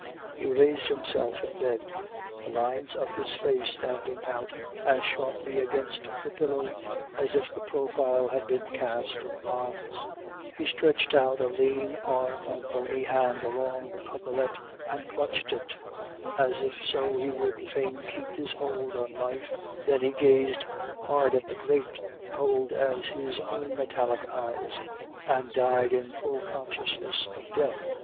"He raised himself in bed, the lines of his face standing out as sharply against the pillow as if the profile had been cast in bronze; he stretched out a lean arm and bony hand along the coverlet and clutched it, as if so he would fain keep his hold on life, then he gazed hard at the grate, cold as his own metallic eyes, and died in full consciousness of death.